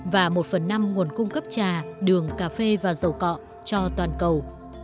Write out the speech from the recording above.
và một phần năm nguồn cung cấp trà đường cà phê và dầu cọ cho toàn cầu